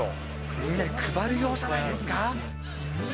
みんなに配るようじゃないですか？